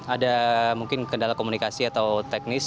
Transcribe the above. ada mungkin kendala komunikasi atau teknis